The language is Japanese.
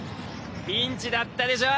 ピンチだったでしょ？